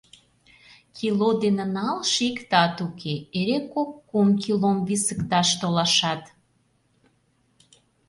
Кило дене налше иктат уке, эре кок-кум килом висыкташ толашат.